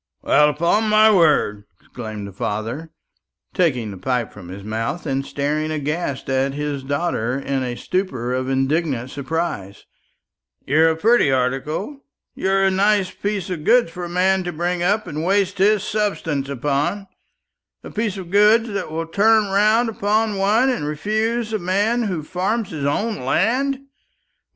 "Well, upon my word," exclaimed the father, taking the pipe from his mouth, and staring aghast at his daughter in a stupor of indignant surprise, "you're a pretty article; you're a nice piece of goods for a man to bring up and waste his substance upon a piece of goods that will turn round upon one and refuse a man who farms his own land.